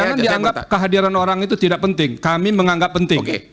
karena dianggap kehadiran orang itu tidak penting kami menganggap penting